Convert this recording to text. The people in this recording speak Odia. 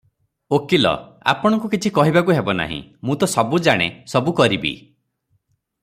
ଓକିଲ - "ଆପଣଙ୍କୁ କିଛି କହିବାକୁ ହେବ ନାହିଁ, ମୁଁ ତ ସବୁ ଜାଣେ, ସବୁ କରିବି ।